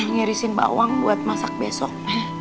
ngirisin bawang buat masak besok